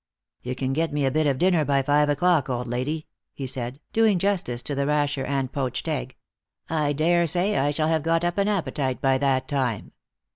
" Tou can get me a bit of dinner by five o'clock, old lady," he said, doing justice to the rasher and poached egg. " I dare say I shall have got up an appetite by that time."